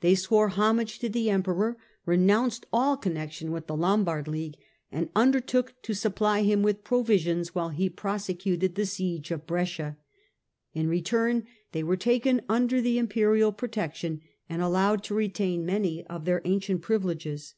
They swore homage to the Emperor, renounced all connection with the Lombard League, and under took to supply him with provisions while he prosecuted the siege of Brescia. In return they were taken under the Imperial protection and allowed to retain many of their ancient privileges.